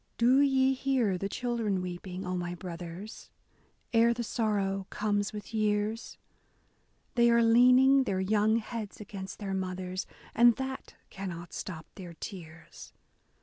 A DAY WITH E. B. BROWNING Do ye hear the children weeping, O my brothers, Ere the sorrow comes with years ? They are leaning their young heads against their mothers. And that cannot stop their tears.